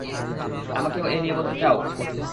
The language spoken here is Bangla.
আমাকে ও নিয়ে বলতে চাও?